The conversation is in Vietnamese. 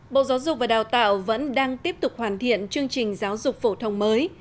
bộ giáo dục và đào tạo vẫn đang tiếp tục hoàn thiện chương trình giáo dục phổ thông mới